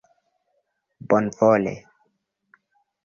bonvole